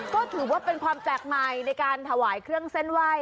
ก็ถือว่าเป็นความแปลกใหม่ในการถวายเครื่องเส้นไหว้